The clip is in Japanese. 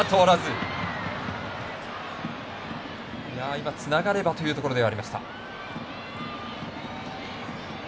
今、つながればというところではありました。